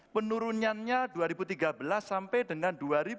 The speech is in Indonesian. penurunannya dua ribu tiga belas sampai dengan dua ribu dua puluh